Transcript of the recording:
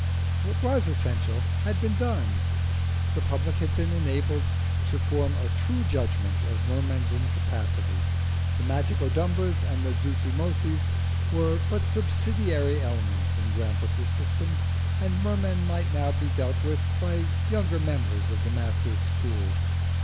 What was essential had been done: the public had been enabled to form a true judgment of Merman's incapacity, the Magicodumbras and Zuzumotzis were but subsidiary elements in Grampus's system, and Merman might now be dealt with by younger members of the master's school.